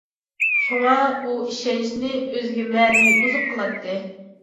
شۇڭا ئۇ ئىشەنچنى ئۆزىگە مەنىۋى ئوزۇق قىلاتتى.